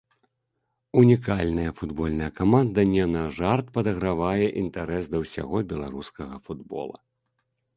Унікальная футбольная каманда не на жарт падагравае інтарэс да ўсяго беларускага футбола.